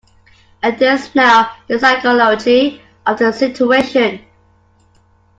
Enters now the psychology of the situation.